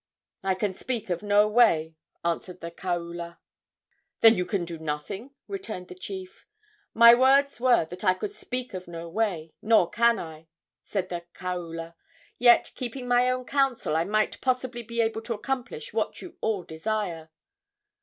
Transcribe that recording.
"I can speak of no way," answered the kaula. "Then you can do nothing?" returned the chief. "My words were that I could speak of no way, nor can I," said the kaula; "yet, keeping my own counsel, I might possibly be able to accomplish what you all desire."